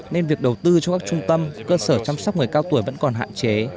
nên việc đầu tư cho các trung tâm cơ sở chăm sóc người cao tuổi vẫn còn hạn chế